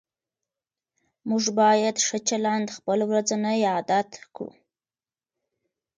موږ باید ښه چلند خپل ورځنی عادت کړو